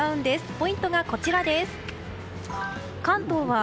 ポイントがこちらです。